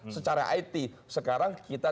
secara it sekarang kita